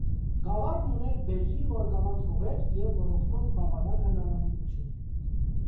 Գավառն ուներ բերրի ու արգավանդ հողեր և ոռոգման բավարար հնարավորություն։